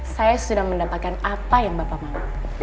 saya sudah mendapatkan apa yang bapak mau